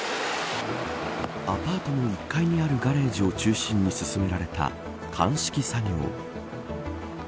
アパートの１階にあるガレージを中心に進められた鑑識作業。